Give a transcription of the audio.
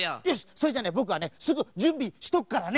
それじゃねぼくはねすぐじゅんびしとくからね！